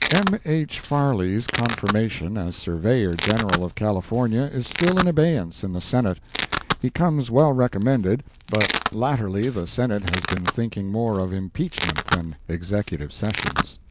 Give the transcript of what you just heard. M. H. Farley's confirmation as Surveyor General of California is still in abeyance in the Senate. He comes well recommended, but latterly the Senate has been thinking more of impeachment than Executive sessions.